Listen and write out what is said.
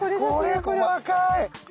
これ細かい！